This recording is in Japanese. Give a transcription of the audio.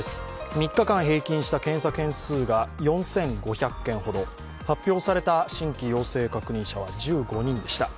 ３日間平均した検査件数が４５００件ほど、発表された新規陽性確認者は１５人でした。